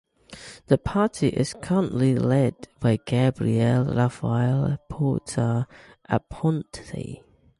The party is currently led by Gabriel Rafael Puerta Aponte.